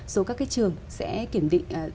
số các cái trường sẽ kiểm định